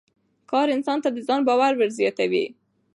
کار انسان ته د ځان باور ور زیاتوي